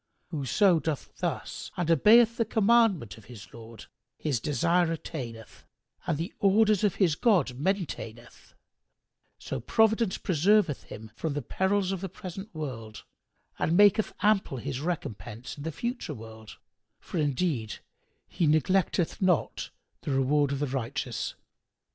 Whoso doth thus and obeyeth the commandment of his Lord, his desire attaineth and the orders of his God maintaineth; so Providence preserveth him from the perils of the present world and maketh ample his recompense in the future world; for indeed He neglecteth not the reward of the righteous.